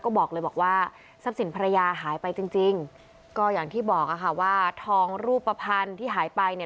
ก็บอกเลยบอกว่าทรัพย์สินภรรยาหายไปจริงจริงก็อย่างที่บอกอะค่ะว่าทองรูปภัณฑ์ที่หายไปเนี่ย